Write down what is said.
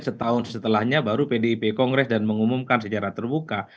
setahun setelahnya baru pdip kongres dan mengumumkan secara terbuka